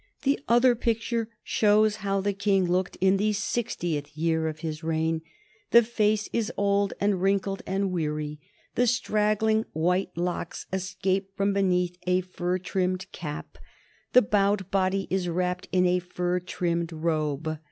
The other picture shows how the King looked in the sixtieth year of his reign. The face is old and wrinkled and weary; the straggling white locks escape from beneath a fur trimmed cap; the bowed body is wrapped in a fur trimmed robe.